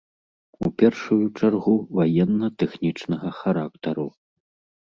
У першую чаргу, ваенна-тэхнічнага характару.